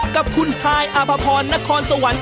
กับคุณฮายอภพรนครสวรรค์